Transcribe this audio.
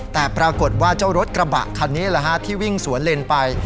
แต่ปรากฏว่ารถกระบะคันนี้แหละที่วิ่งสวนเลนส์ไป